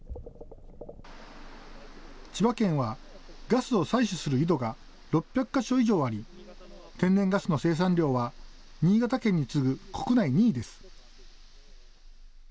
千葉県はガスを採取する井戸が６００か所以上あり天然ガスの生産量は新潟県に次ぐ国内２位です。